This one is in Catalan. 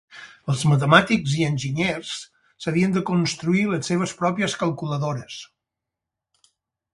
Els matemàtics i enginyers s’havien de construir les seves pròpies calculadores.